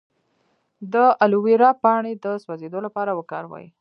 د الوویرا پاڼې د سوځیدو لپاره وکاروئ